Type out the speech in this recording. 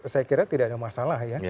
saya kira tidak ada masalah ya